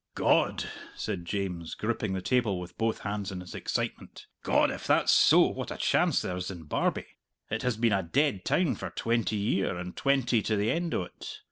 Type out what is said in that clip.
"God!" said James, gripping the table with both hands in his excitement "God, if that's so, what a chance there's in Barbie! It has been a dead town for twenty year, and twenty to the end o't.